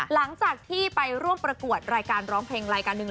หลังจากที่ไปร่วมประกวดรายการร้องเพลงรายการหนึ่ง